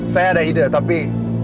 saya ada ide tapi